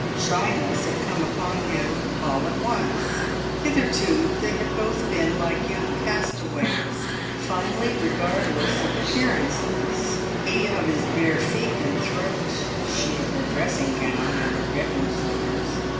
Shyness had come upon him all at once; hitherto they had both been like young castaways, finely regardless of appearances, he of his bare feet and throat, she of her dressing gown and her bedroom slippers.